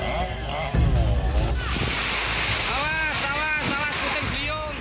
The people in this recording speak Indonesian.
salah salah salah putin klium